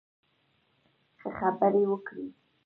ښه، خبرې وکړئ